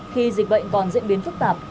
khi dịch bệnh còn diễn biến phức tạp